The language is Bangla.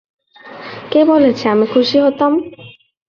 কে বলেছে আমি খুশি হতাম?